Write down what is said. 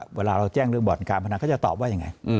ทุกวันเวลาเราแจ้งเรื่องบ่อนการพนักตามกันตอบว่า